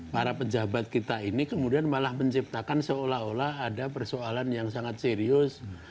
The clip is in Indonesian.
para pejabat kita ini kemudian malah menciptakan seolah olah ada persoalan yang sangat serius